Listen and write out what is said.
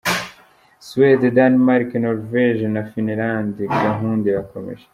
Suede, Danemark, Norvege, na Finland gahunda irakomeje.